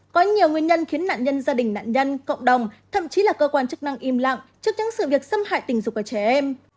có nhiều nguyên nhân khiến nạn nhân gia đình nạn nhân cộng đồng thậm chí là cơ quan chức năng im lặng trước những sự việc xâm hại tình dục ở trẻ em